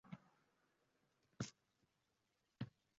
uchtasi qariyalar bilan kasal bo'lib, ular karvon tezligini aniqlaydilar